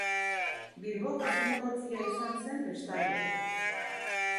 Bilboko zinegotzia izan zen, bestalde.